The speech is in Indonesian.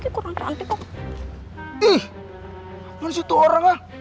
ih apaan sih itu orang lah